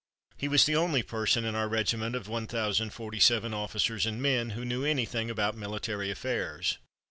He was the only person in our regiment of 1047 officers and men who knew anything about military affairs.